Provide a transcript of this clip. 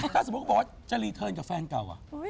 ถ้าสมมุติเขาบอกว่าจะรีเทิร์นกับแฟนเก่า